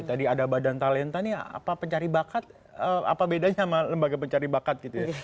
tadi ada badan talenta nih apa pencari bakat apa bedanya sama lembaga pencari bakat gitu ya